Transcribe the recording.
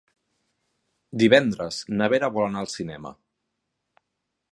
Divendres na Vera vol anar al cinema.